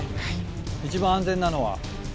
一番安全なのは？